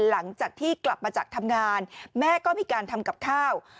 หลังจากที่กลับมาจากทำงานแม่ก็มีการทำกับข้าว